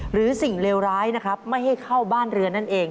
หรือสิ่งเลวร้ายนะครับไม่ให้เข้าบ้านเรือนั่นเอง